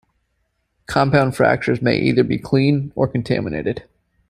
Compound fractures may either be clean or contaminated.